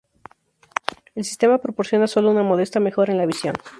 El sistema proporciona sólo una modesta mejora en la visión.